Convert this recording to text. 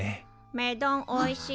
目丼おいしい。